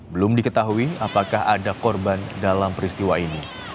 belum diketahui apakah ada korban dalam peristiwa ini